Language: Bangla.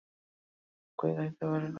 আর সে চুপ করিয়া থাকিতে পারিল না।